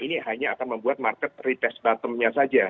ini hanya akan membuat market retest bottomnya saja